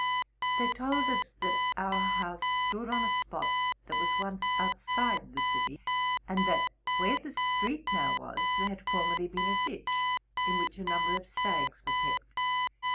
They told us that our house stood on a spot that was once outside the city, and that, where the street now was, there had formerly been a ditch, in which a number of stags were kept.